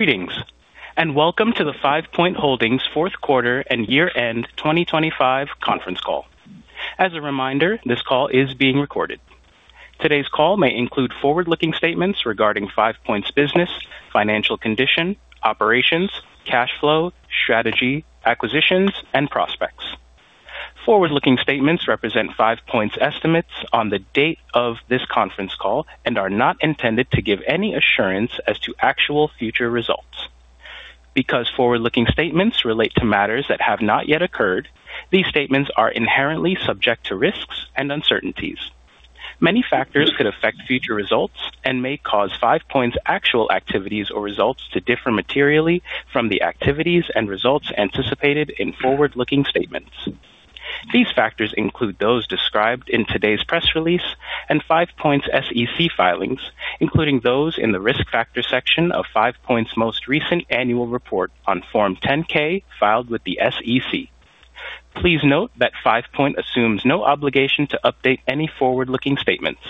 Greetings, and welcome to the Five Point Holdings' Fourth Quarter and Year-end 2025 Conference Call. As a reminder, this call is being recorded. Today's call may include forward-looking statements regarding Five Point's business, financial condition, operations, cash flow, strategy, acquisitions, and prospects. Forward-looking statements represent Five Point's estimates on the date of this conference call and are not intended to give any assurance as to actual future results. Because forward-looking statements relate to matters that have not yet occurred, these statements are inherently subject to risks and uncertainties. Many factors could affect future results and may cause Five Point's actual activities or results to differ materially from the activities and results anticipated in forward-looking statements. These factors include those described in today's press release and Five Point's SEC filings, including those in the risk factor section of Five Point's most recent annual report on Form 10-K filed with the SEC. Please note that Five Point assumes no obligation to update any forward-looking statements.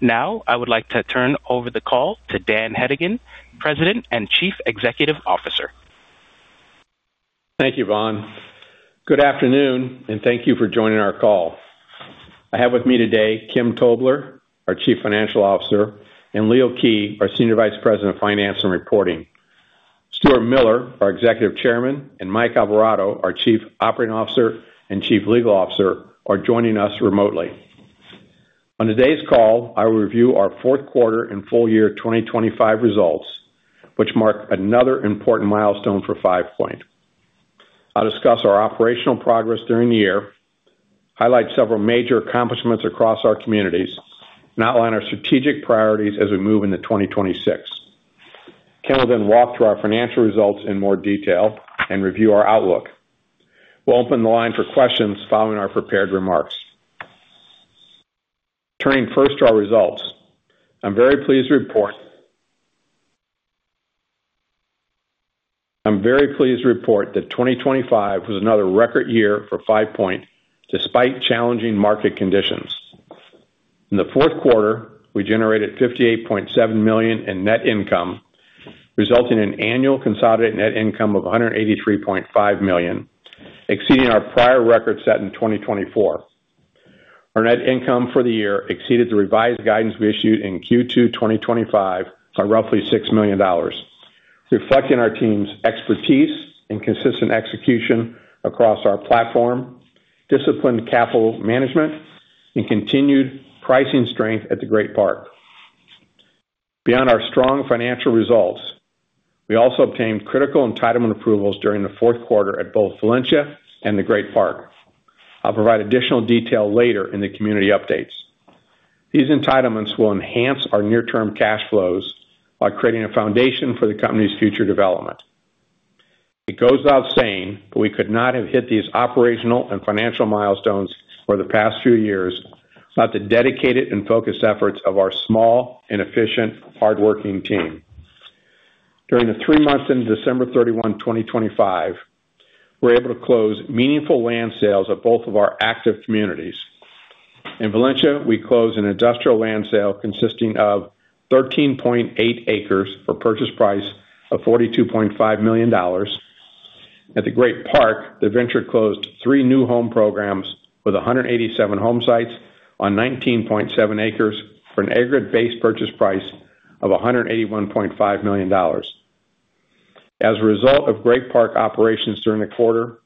Now, I would like to turn over the call to Dan Hedigan, President and Chief Executive Officer. Thank you, Ron. Good afternoon, and thank you for joining our call. I have with me today Kim Tobler, our Chief Financial Officer, and Leo Kij, our Senior Vice President of Finance and Reporting. Stuart Miller, our Executive Chairman, and Mike Alvarado, our Chief Operating Officer and Chief Legal Officer, are joining us remotely. On today's call, I will review our fourth quarter and full year 2025 results, which mark another important milestone for Five Point. I'll discuss our operational progress during the year, highlight several major accomplishments across our communities, and outline our strategic priorities as we move into 2026. Kim will then walk through our financial results in more detail and review our outlook. We'll open the line for questions following our prepared remarks. Turning first to our results, I'm very pleased to report that 2025 was another record year for Five Point despite challenging market conditions. In the fourth quarter, we generated $58.7 million in net income, resulting in annual consolidated net income of $183.5 million, exceeding our prior record set in 2024. Our net income for the year exceeded the revised guidance we issued in Q2 2025 by roughly $6 million, reflecting our team's expertise and consistent execution across our platform, disciplined capital management, and continued pricing strength at The Great Park. Beyond our strong financial results, we also obtained critical entitlement approvals during the fourth quarter at both Valencia and The Great Park. I'll provide additional detail later in the community updates. These entitlements will enhance our near-term cash flows by creating a foundation for the company's future development. It goes without saying, but we could not have hit these operational and financial milestones over the past few years without the dedicated and focused efforts of our small and efficient, hardworking team. During the three months ended December 31, 2025, we were able to close meaningful land sales of both of our active communities. In Valencia, we closed an industrial land sale consisting of 13.8 acres for a purchase price of $42.5 million. At The Great Park, the venture closed three new home programs with 187 home sites on 19.7 acres for an aggregate base purchase price of $181.5 million. As a result of Great Park operations during the quarter,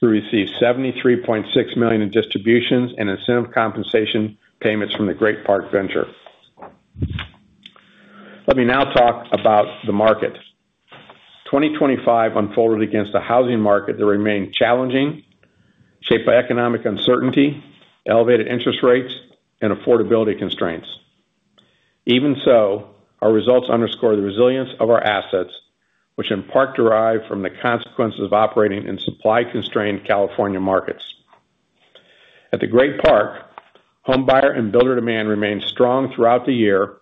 we received $73.6 million in distributions and incentive compensation payments from The Great Park Venture. Let me now talk about the market. 2025 unfolded against a housing market that remained challenging, shaped by economic uncertainty, elevated interest rates, and affordability constraints. Even so, our results underscore the resilience of our assets, which in part derive from the consequences of operating in supply-constrained California markets. At The Great Park, homebuyer and builder demand remained strong throughout the year,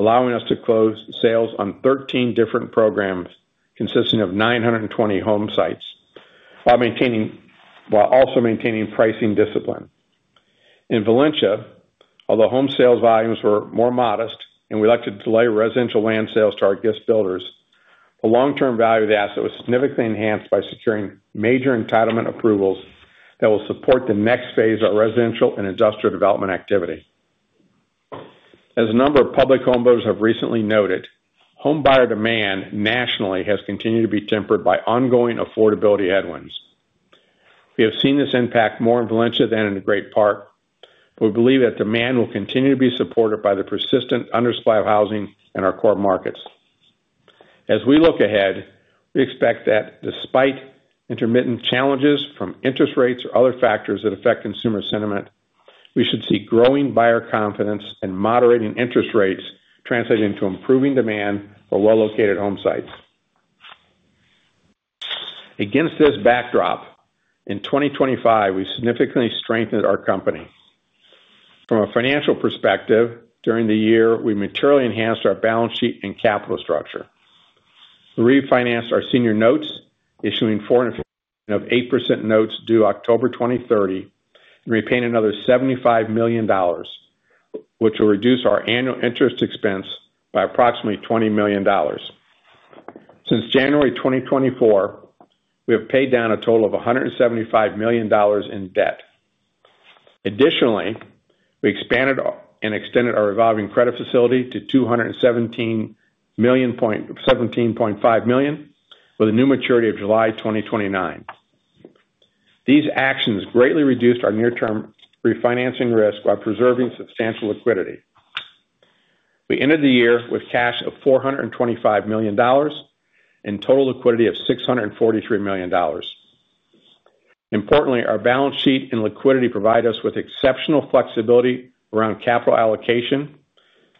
allowing us to close sales on 13 different programs consisting of 920 home sites while also maintaining pricing discipline. In Valencia, although home sales volumes were more modest and we elected to delay residential land sales to our guest builders, the long-term value of the asset was significantly enhanced by securing major entitlement approvals that will support the next phase of our residential and industrial development activity. As a number of public homebuilders have recently noted, homebuyer demand nationally has continued to be tempered by ongoing affordability headwinds. We have seen this impact more in Valencia than in The Great Park, but we believe that demand will continue to be supported by the persistent undersupply of housing in our core markets. As we look ahead, we expect that despite intermittent challenges from interest rates or other factors that affect consumer sentiment, we should see growing buyer confidence and moderating interest rates translate into improving demand for well-located home sites. Against this backdrop, in 2025, we've significantly strengthened our company. From a financial perspective, during the year, we materially enhanced our balance sheet and capital structure. We refinanced our senior notes, issuing $400 million of 8% notes due October 2030, and repaid another $75 million, which will reduce our annual interest expense by approximately $20 million. Since January 2024, we have paid down a total of $175 million in debt. Additionally, we expanded and extended our revolving credit facility to $217.5 million, with a new maturity of July 2029. These actions greatly reduced our near-term refinancing risk by preserving substantial liquidity. We ended the year with cash of $425 million and total liquidity of $643 million. Importantly, our balance sheet and liquidity provide us with exceptional flexibility around capital allocation,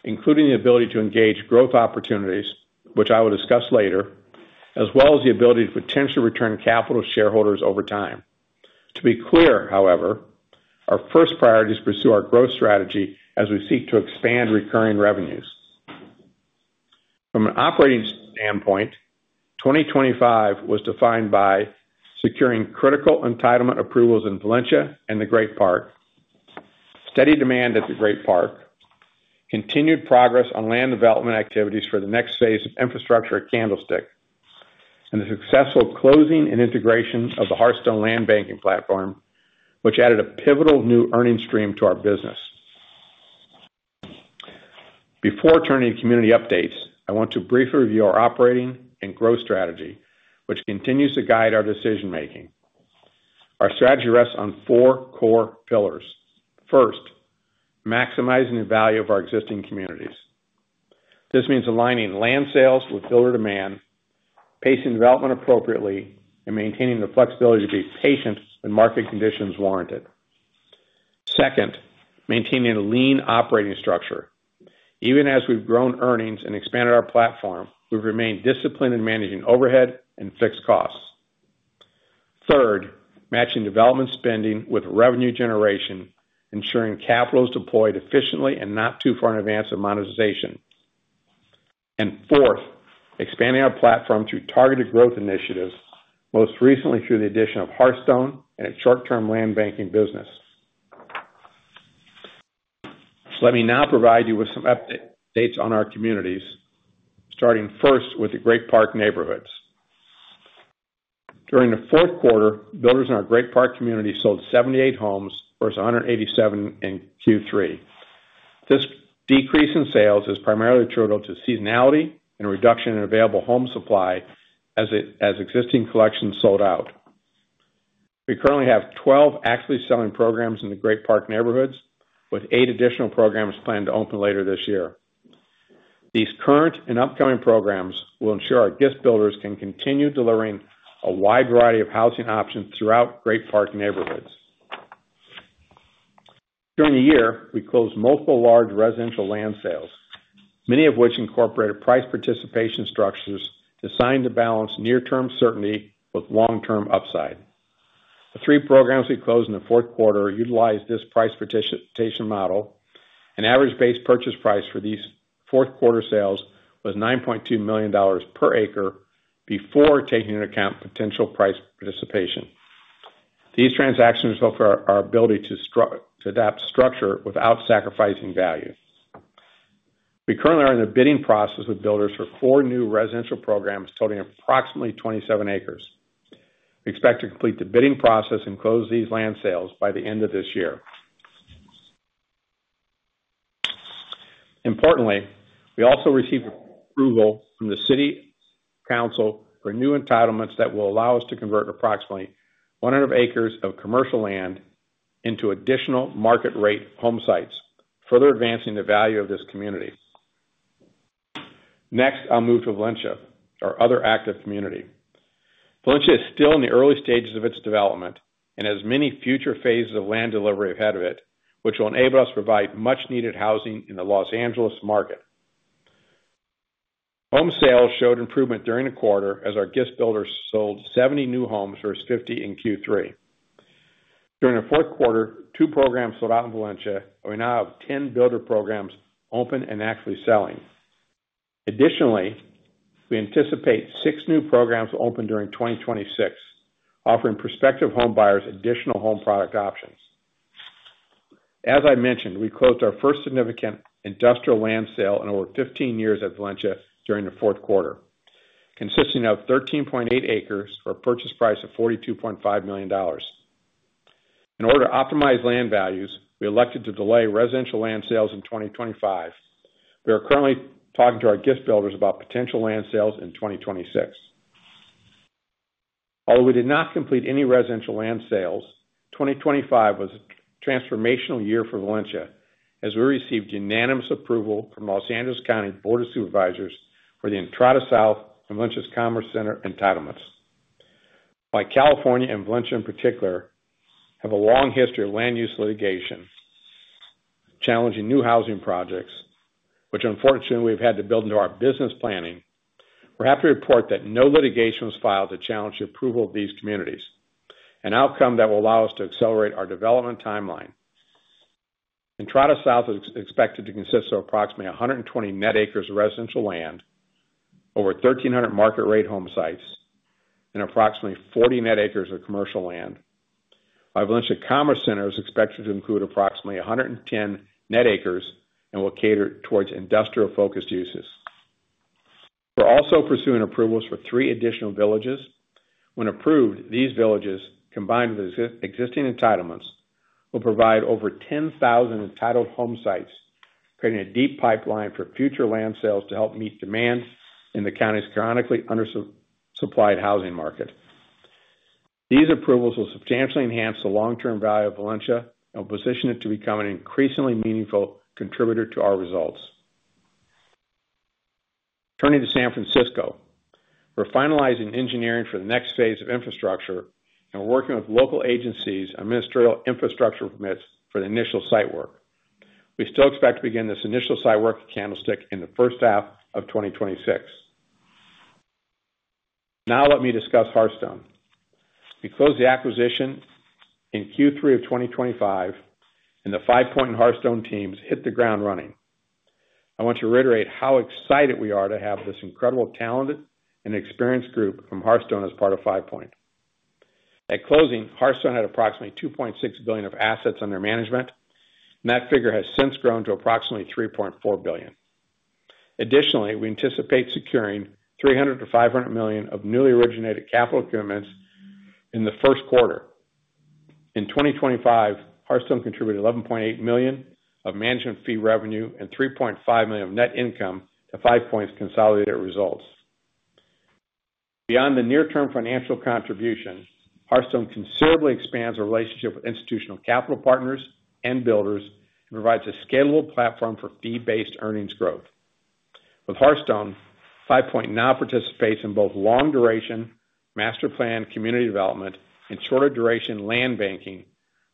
including the ability to engage growth opportunities, which I will discuss later, as well as the ability to potentially return capital to shareholders over time. To be clear, however, our first priority is to pursue our growth strategy as we seek to expand recurring revenues. From an operating standpoint, 2025 was defined by securing critical entitlement approvals in Valencia and The Great Park, steady demand at The Great Park, continued progress on land development activities for the next phase of infrastructure at Candlestick, and the successful closing and integration of the Hearthstone land banking platform, which added a pivotal new earning stream to our business. Before turning to community updates, I want to briefly review our operating and growth strategy, which continues to guide our decision-making. Our strategy rests on four core pillars. First, maximizing the value of our existing communities. This means aligning land sales with builder demand, pacing development appropriately, and maintaining the flexibility to be patient when market conditions warrant it. Second, maintaining a lean operating structure. Even as we've grown earnings and expanded our platform, we've remained disciplined in managing overhead and fixed costs. Third, matching development spending with revenue generation, ensuring capital is deployed efficiently and not too far in advance of monetization. And fourth, expanding our platform through targeted growth initiatives, most recently through the addition of Hearthstone and a short-term land banking business. Let me now provide you with some updates on our communities, starting first with The Great Park Neighborhoods. During the fourth quarter, builders in our Great Park community sold 78 homes versus 187 in Q3. This decrease in sales is primarily attributable to seasonality and a reduction in available home supply as existing collections sold out. We currently have 12 actively selling programs in The Great Park neighborhoods, with eight additional programs planned to open later this year. These current and upcoming programs will ensure our guest builders can continue delivering a wide variety of housing options throughout Great Park neighborhoods. During the year, we closed multiple large residential land sales, many of which incorporated price participation structures designed to balance near-term certainty with long-term upside. The three programs we closed in the fourth quarter utilized this price participation model. An average base purchase price for these fourth-quarter sales was $9.2 million per acre before taking into account potential price participation. These transactions reflect our ability to adapt structure without sacrificing value. We currently are in the bidding process with builders for four new residential programs totaling approximately 27 acres. We expect to complete the bidding process and close these land sales by the end of this year. Importantly, we also received approval from the City Council for new entitlements that will allow us to convert approximately 100 acres of commercial land into additional market-rate home sites, further advancing the value of this community. Next, I'll move to Valencia, our other active community. Valencia is still in the early stages of its development and has many future phases of land delivery ahead of it, which will enable us to provide much-needed housing in the Los Angeles market. Home sales showed improvement during the quarter as our guest builders sold 70 new homes versus 50 in Q3. During the fourth quarter, 2 programs sold out in Valencia, and we now have 10 builder programs open and actually selling. Additionally, we anticipate 6 new programs open during 2026, offering prospective homebuyers additional home product options. As I mentioned, we closed our first significant industrial land sale in over 15 years at Valencia during the fourth quarter, consisting of 13.8 acres for a purchase price of $42.5 million. In order to optimize land values, we elected to delay residential land sales in 2025. We are currently talking to our guest builders about potential land sales in 2026. Although we did not complete any residential land sales, 2025 was a transformational year for Valencia as we received unanimous approval from Los Angeles County Board of Supervisors for the Entrada South and Valencia Commerce Center entitlements. While California and Valencia in particular have a long history of land use litigation challenging new housing projects, which unfortunately we have had to build into our business planning, we're happy to report that no litigation was filed to challenge the approval of these communities, an outcome that will allow us to accelerate our development timeline. Entrada South is expected to consist of approximately 120 net acres of residential land, over 1,300 market-rate home sites, and approximately 40 net acres of commercial land. Our Valencia Commerce Center is expected to include approximately 110 net acres and will cater towards industrial-focused uses. We're also pursuing approvals for three additional villages. When approved, these villages, combined with existing entitlements, will provide over 10,000 entitled home sites, creating a deep pipeline for future land sales to help meet demand in the county's chronically undersupplied housing market. These approvals will substantially enhance the long-term value of Valencia and will position it to become an increasingly meaningful contributor to our results. Turning to San Francisco, we're finalizing engineering for the next phase of infrastructure and working with local agencies on ministerial infrastructure permits for the initial site work. We still expect to begin this initial site work at Candlestick in the first half of 2026. Now let me discuss Hearthstone. We closed the acquisition in Q3 of 2025, and the Five Point and Hearthstone teams hit the ground running. I want to reiterate how excited we are to have this incredible talented and experienced group from Hearthstone as part of Five Point. At closing, Hearthstone had approximately $2.6 billion of assets under management, and that figure has since grown to approximately $3.4 billion. Additionally, we anticipate securing $300 million-$500 million of newly originated capital equipments in the first quarter. In 2025, Hearthstone contributed $11.8 million of management fee revenue and $3.5 million of net income to Five Point's consolidated results. Beyond the near-term financial contribution, Hearthstone considerably expands our relationship with institutional capital partners and builders and provides a scalable platform for fee-based earnings growth. With Hearthstone, Five Point now participates in both long-duration master plan community development and shorter-duration land banking,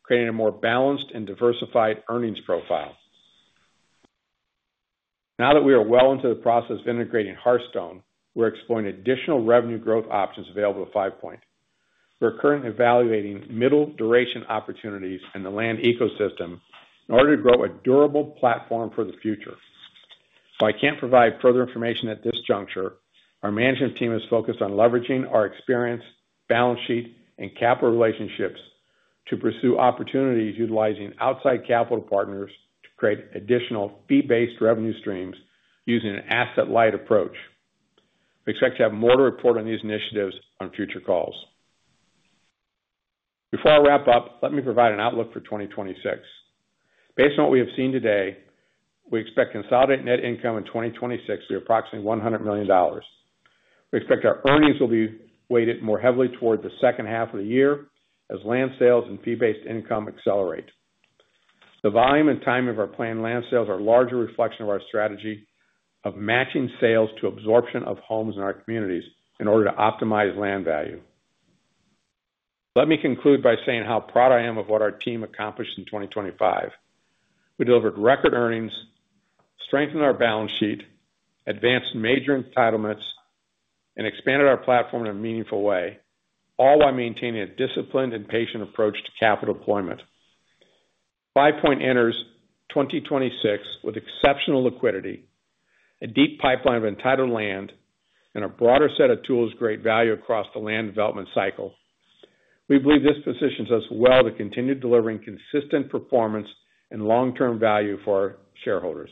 creating a more balanced and diversified earnings profile. Now that we are well into the process of integrating Hearthstone, we're exploring additional revenue growth options available to Five Point. We're currently evaluating middle-duration opportunities in the land ecosystem in order to grow a durable platform for the future. While I can't provide further information at this juncture, our management team is focused on leveraging our experience, balance sheet, and capital relationships to pursue opportunities utilizing outside capital partners to create additional fee-based revenue streams using an asset-light approach. We expect to have more to report on these initiatives on future calls. Before I wrap up, let me provide an outlook for 2026. Based on what we have seen today, we expect consolidated net income in 2026 to be approximately $100 million. We expect our earnings will be weighted more heavily toward the second half of the year as land sales and fee-based income accelerate. The volume and timing of our planned land sales are a larger reflection of our strategy of matching sales to absorption of homes in our communities in order to optimize land value. Let me conclude by saying how proud I am of what our team accomplished in 2025. We delivered record earnings, strengthened our balance sheet, advanced major entitlements, and expanded our platform in a meaningful way, all while maintaining a disciplined and patient approach to capital deployment. Five Point enters 2026 with exceptional liquidity, a deep pipeline of entitled land, and a broader set of tools of great value across the land development cycle. We believe this positions us well to continue delivering consistent performance and long-term value for our shareholders.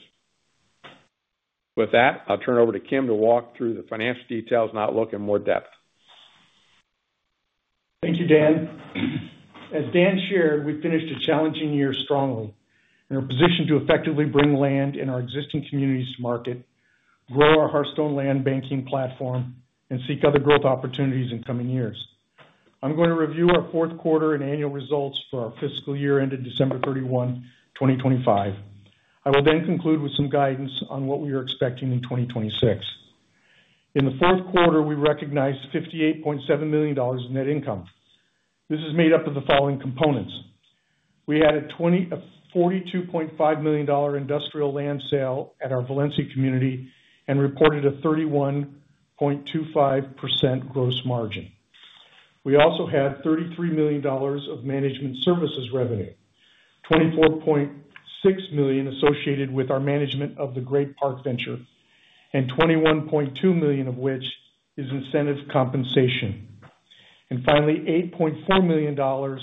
With that, I'll turn it over to Kim to walk through the financial details and outlook in more depth. Thank you, Dan. As Dan shared, we finished a challenging year strongly. We're positioned to effectively bring land in our existing communities to market, grow our Hearthstone land banking platform, and seek other growth opportunities in coming years. I'm going to review our fourth quarter and annual results for our fiscal year ended December 31, 2025. I will then conclude with some guidance on what we are expecting in 2026. In the fourth quarter, we recognized $58.7 million in net income. This is made up of the following components. We had a $42.5 million industrial land sale at our Valencia community and reported a 31.25% gross margin. We also had $33 million of management services revenue, $24.6 million associated with our management of the Great Park Venture, and $21.2 million of which is incentive compensation. And finally, $8.4 million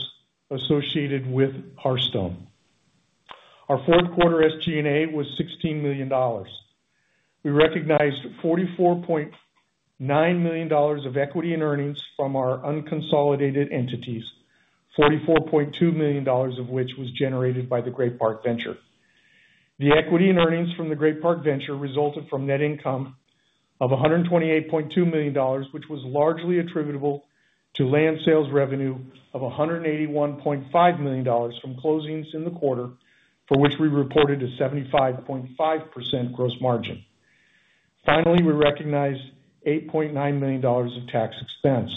associated with Hearthstone. Our fourth quarter SG&A was $16 million. We recognized $44.9 million of equity in earnings from our unconsolidated entities, $44.2 million of which was generated by the Great Park Venture. The equity in earnings from the Great Park Venture resulted from net income of $128.2 million, which was largely attributable to land sales revenue of $181.5 million from closings in the quarter, for which we reported a 75.5% gross margin. Finally, we recognized $8.9 million of tax expense.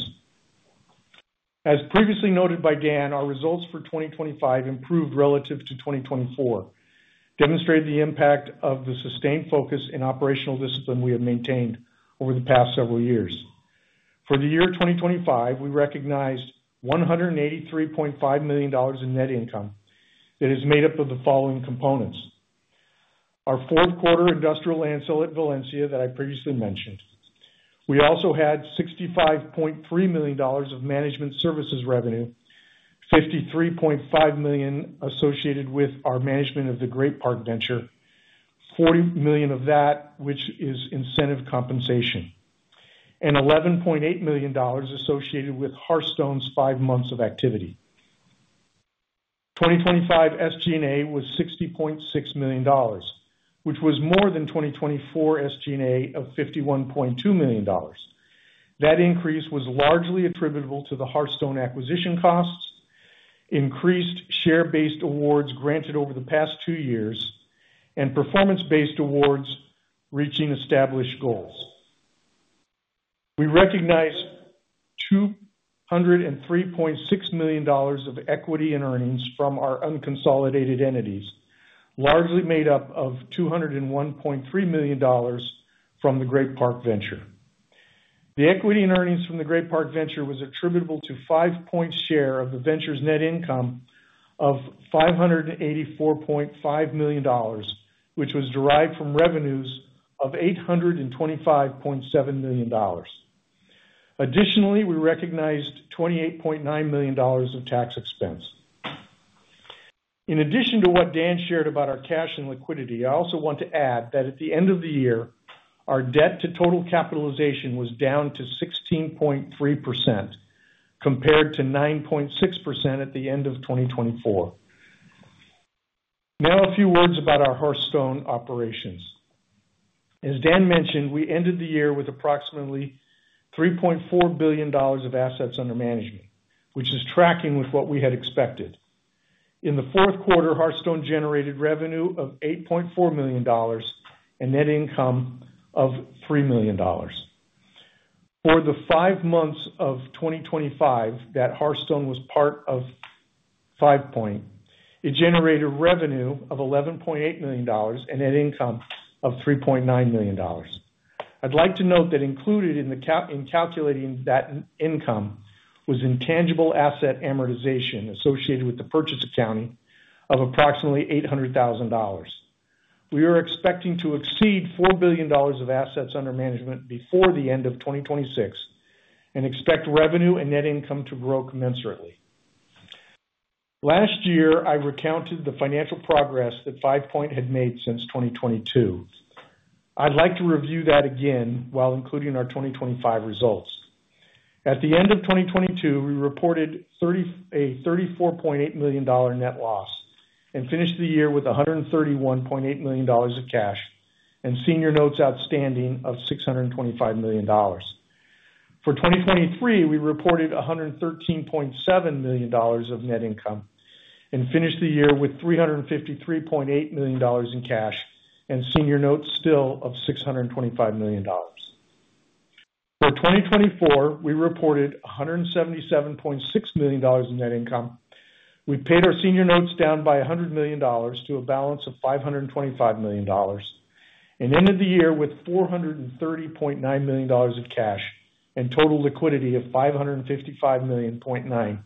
As previously noted by Dan, our results for 2025 improved relative to 2024, demonstrating the impact of the sustained focus and operational discipline we have maintained over the past several years. For the year 2025, we recognized $183.5 million in net income that is made up of the following components: our fourth quarter industrial land sale at Valencia that I previously mentioned. We also had $65.3 million of management services revenue, $53.5 million associated with our management of the Great Park Venture, $40 million of that, which is incentive compensation, and $11.8 million associated with Hearthstone's five months of activity. 2025 SG&A was $60.6 million, which was more than 2024 SG&A of $51.2 million. That increase was largely attributable to the Hearthstone acquisition costs, increased share-based awards granted over the past two years, and performance-based awards reaching established goals. We recognized $203.6 million of equity in earnings from our unconsolidated entities, largely made up of $201.3 million from the Great Park Venture. The equity in earnings from the Great Park Venture was attributable to Five Point's share of the venture's net income of $584.5 million, which was derived from revenues of $825.7 million. Additionally, we recognized $28.9 million of tax expense. In addition to what Dan shared about our cash and liquidity, I also want to add that at the end of the year, our debt to total capitalization was down to 16.3% compared to 9.6% at the end of 2024. Now, a few words about our Hearthstone operations. As Dan mentioned, we ended the year with approximately $3.4 billion of assets under management, which is tracking with what we had expected. In the fourth quarter, Hearthstone generated revenue of $8.4 million and net income of $3 million. For the five months of 2025 that Hearthstone was part of Five Point, it generated revenue of $11.8 million and net income of $3.9 million. I'd like to note that included in calculating that income was intangible asset amortization associated with the purchase accounting of approximately $800,000. We are expecting to exceed $4 billion of assets under management before the end of 2026 and expect revenue and net income to grow commensurately. Last year, I recounted the financial progress that Five Point had made since 2022. I'd like to review that again while including our 2025 results. At the end of 2022, we reported a $34.8 million net loss and finished the year with $131.8 million of cash and senior notes outstanding of $625 million. For 2023, we reported $113.7 million of net income and finished the year with $353.8 million in cash and senior notes still of $625 million. For 2024, we reported $177.6 million in net income. We paid our senior notes down by $100 million to a balance of $525 million and ended the year with $430.9 million of cash and total liquidity of $555.9 million.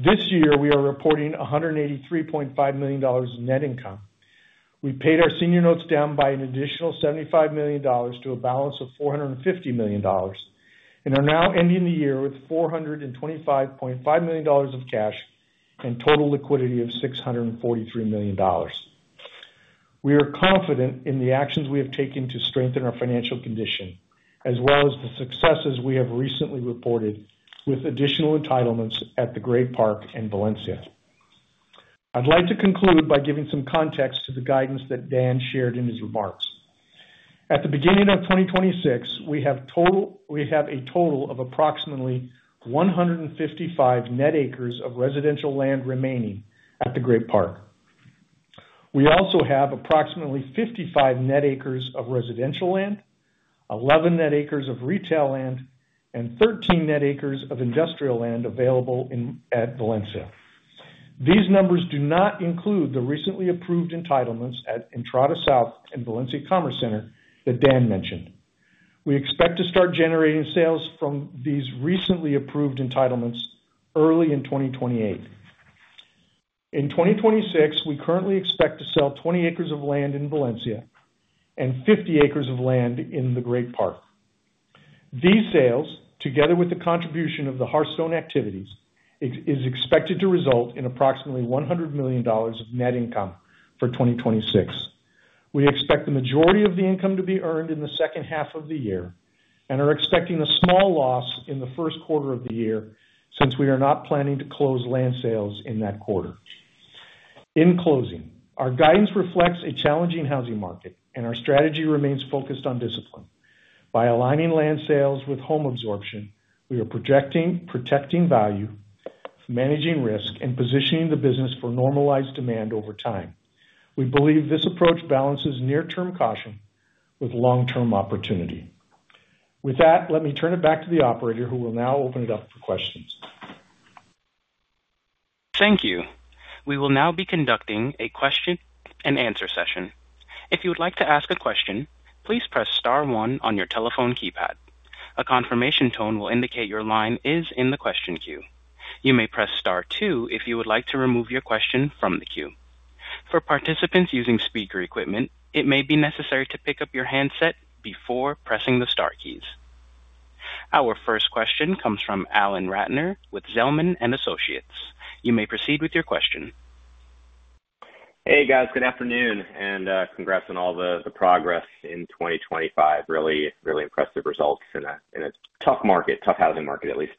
This year, we are reporting $183.5 million in net income. We paid our senior notes down by an additional $75 million to a balance of $450 million and are now ending the year with $425.5 million of cash and total liquidity of $643 million. We are confident in the actions we have taken to strengthen our financial condition, as well as the successes we have recently reported with additional entitlements at the Great Park and Valencia. I'd like to conclude by giving some context to the guidance that Dan shared in his remarks. At the beginning of 2026, we have a total of approximately 155 net acres of residential land remaining at the Great Park. We also have approximately 55 net acres of residential land, 11 net acres of retail land, and 13 net acres of industrial land available at Valencia. These numbers do not include the recently approved entitlements at Entrada South and Valencia Commerce Center that Dan mentioned. We expect to start generating sales from these recently approved entitlements early in 2028. In 2026, we currently expect to sell 20 acres of land in Valencia and 50 acres of land in the Great Park. These sales, together with the contribution of the Hearthstone activities, are expected to result in approximately $100 million of net income for 2026. We expect the majority of the income to be earned in the second half of the year and are expecting a small loss in the first quarter of the year since we are not planning to close land sales in that quarter. In closing, our guidance reflects a challenging housing market, and our strategy remains focused on discipline. By aligning land sales with home absorption, we are projecting, protecting value, managing risk, and positioning the business for normalized demand over time. We believe this approach balances near-term caution with long-term opportunity. With that, let me turn it back to the operator, who will now open it up for questions. Thank you. We will now be conducting a question-and-answer session. If you would like to ask a question, please press Star 1 on your telephone keypad. A confirmation tone will indicate your line is in the question queue. You may press Star 2 if you would like to remove your question from the queue. For participants using speaker equipment, it may be necessary to pick up your handset before pressing the Star keys. Our first question comes from Alan Ratner with Zelman & Associates. You may proceed with your question. Hey, guys. Good afternoon and congrats on all the progress in 2025. Really, really impressive results in a tough market, tough housing market, at least.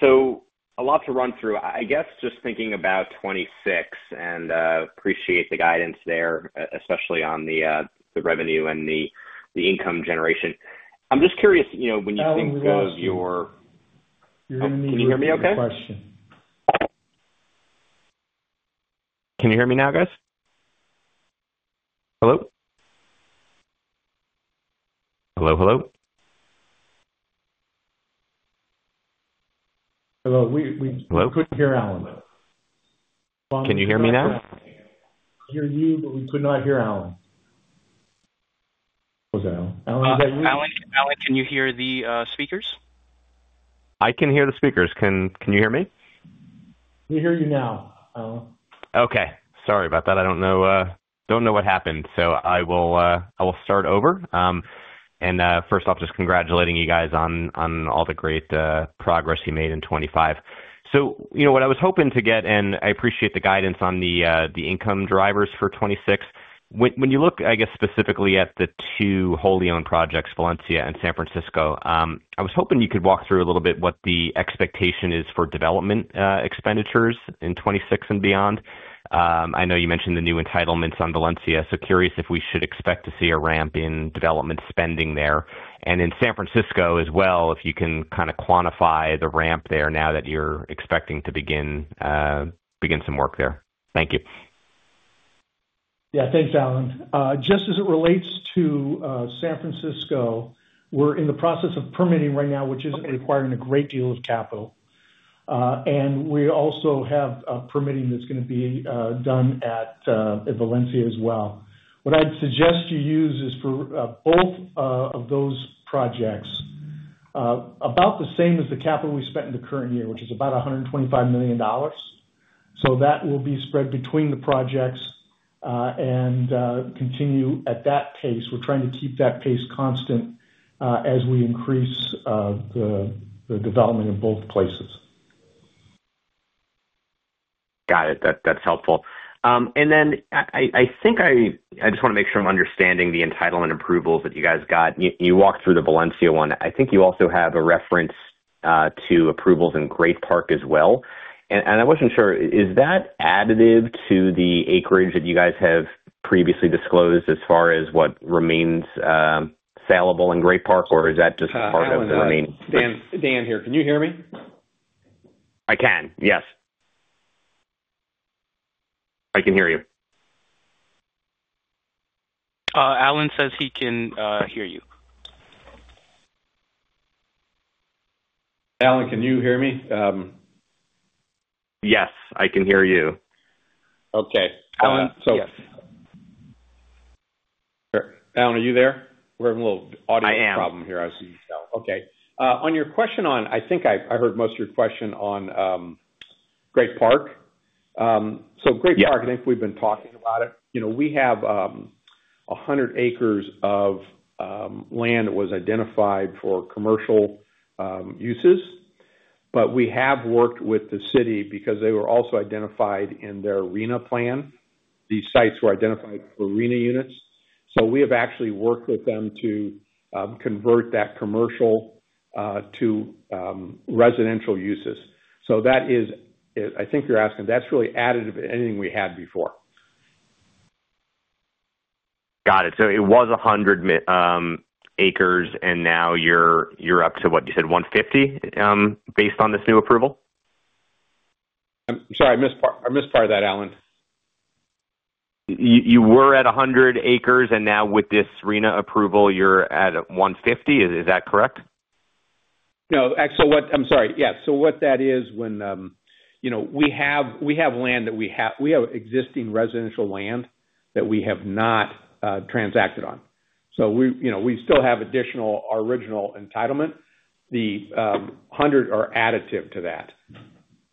So a lot to run through. I guess just thinking about 2026 and appreciate the guidance there, especially on the revenue and the income generation. I'm just curious, when you think of your— Can you hear me okay? Can you hear me now, guys? Hello? Hello, hello? Hello. We couldn't hear Alan. Can you hear me now? Hear you, but we could not hear Alan. What was that? Alan, is that you? Alan, can you hear the speakers? I can hear the speakers. Can you hear me? We hear you now, Alan. Okay. Sorry about that. I don't know what happened. So I will start over. And first off, just congratulating you guys on all the great progress you made in 2025. So what I was hoping to get, and I appreciate the guidance on the income drivers for 2026, when you look, I guess, specifically at the two wholly owned projects, Valencia and San Francisco, I was hoping you could walk through a little bit what the expectation is for development expenditures in 2026 and beyond. I know you mentioned the new entitlements on Valencia, so curious if we should expect to see a ramp in development spending there. And in San Francisco as well, if you can kind of quantify the ramp there now that you're expecting to begin some work there. Thank you. Yeah. Thanks, Alan. Just as it relates to San Francisco, we're in the process of permitting right now, which is requiring a great deal of capital. And we also have permitting that's going to be done at Valencia as well. What I'd suggest you use is for both of those projects, about the same as the capital we spent in the current year, which is about $125 million. So that will be spread between the projects and continue at that pace. We're trying to keep that pace constant as we increase the development in both places. Got it. That's helpful. And then I think I just want to make sure I'm understanding the entitlement approvals that you guys got. You walked through the Valencia one. I think you also have a reference to approvals in Great Park as well. And I wasn't sure, is that additive to the acreage that you guys have previously disclosed as far as what remains saleable in Great Park, or is that just part of the remaining? Hi, Alan. Dan here. Can you hear me? I can. Yes. I can hear you. Alan says he can hear you. Alan, can you hear me? Yes. I can hear you. Okay. Alan, yes. Alan, are you there? We're having a little audio problem here. I see you now. Okay. On your question on, I think I heard most of your question on Great Park. So Great Park, I think we've been talking about it. We have 100 acres of land that was identified for commercial uses, but we have worked with the city because they were also identified in their RHNA plan. These sites were identified for RHNA units. So we have actually worked with them to convert that commercial to residential uses. So I think you're asking, that's really additive to anything we had before. Got it. So it was 100 acres, and now you're up to, what you said, 150 based on this new approval? I'm sorry. I missed part of that, Alan. You were at 100 acres, and now with this RHNA approval, you're at 150. Is that correct? No. I'm sorry. Yeah. So what that is, we have land that we have existing residential land that we have not transacted on. So we still have additional original entitlement. The 100 are additive to that.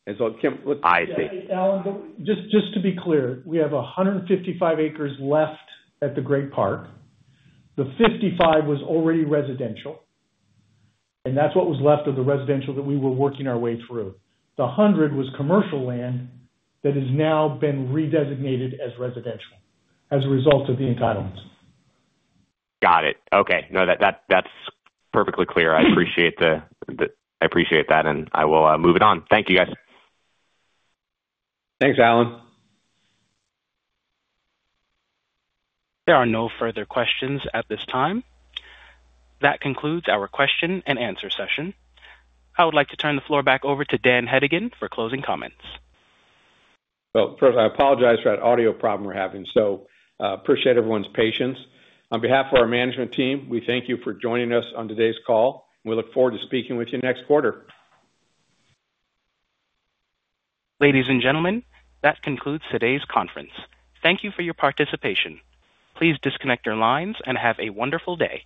And so, Kim, let's. I see. Alan, just to be clear, we have 155 acres left at the Great Park. The 55 was already residential, and that's what was left of the residential that we were working our way through. The 100 was commercial land that has now been redesignated as residential as a result of the entitlements. Got it. Okay. No, that's perfectly clear. I appreciate that, and I will move it on. Thank you, guys. Thanks, Alan. There are no further questions at this time. That concludes our question-and-answer session. I would like to turn the floor back over to Dan Hedigan for closing comments. Well, first, I apologize for that audio problem we're having. So, appreciate everyone's patience. On behalf of our management team, we thank you for joining us on today's call, and we look forward to speaking with you next quarter. Ladies and gentlemen, that concludes today's conference. Thank you for your participation. Please disconnect your lines and have a wonderful day.